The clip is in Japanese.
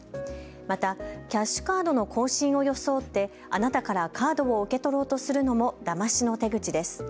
またキャッシュカードの更新を装ってあなたからカードを受け取ろうとするのもだましの手口です。